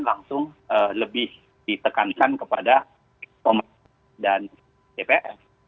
langsung lebih ditekankan kepada pemerintah dan tps